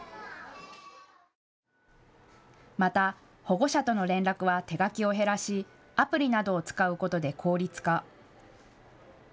また保護者との連絡は手書きを減らし、アプリなどを使うことで効率化。